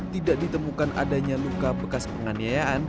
tidak ditemukan adanya luka bekas penganiayaan